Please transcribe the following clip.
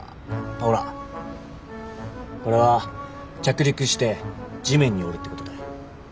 これは着陸して地面におるってことたい。